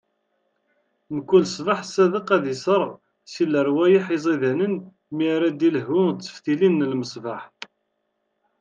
Mkul ṣṣbeḥ Sadeq ad isserɣ si lerwayeḥ iẓidanen, mi ara d-ilehhu d teftilin n lmeṣbaḥ.